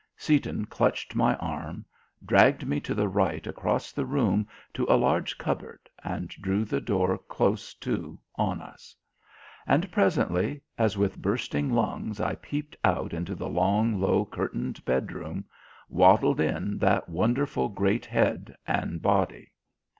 Seaton clutched my arm, dragged me to the right across the room to a large cupboard, and drew the door close to on us. And, presently, as with bursting lungs I peeped out into the long, low, curtained bedroom, waddled in that wonderful great head and body.